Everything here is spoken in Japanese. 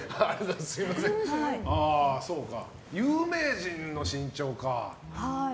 有名人の身長か。